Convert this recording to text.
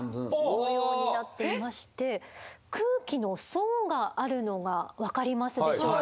このようになっていまして空気の層があるのが分かりますでしょうか。